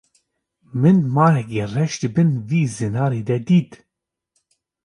Min marekî reş di bin vî zinarî de dît.